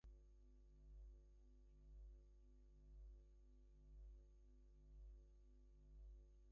Specialized services are available for veterans and women, as well as people with disabilities.